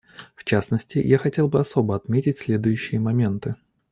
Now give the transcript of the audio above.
В частности, я хотел бы особо отметить следующее моменты.